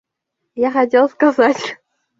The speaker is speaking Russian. Я хотел сказать.